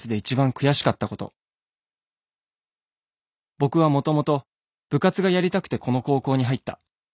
「僕はもともと部活がやりたくてこの高校に入った。